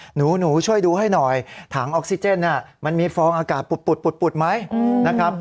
หนูช่วยดูให้หน่อยถังออกซิเจนมันมีฟองอากาศปุดไหมนะครับ